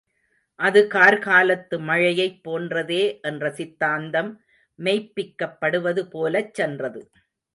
அது கார்காலத்து மழையைப் போன்றதே என்ற சித்தாந்தம் மெய்ப்பிக்கப்படுவது போலச்சென்றது.